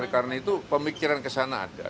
karena itu pemikiran ke sana ada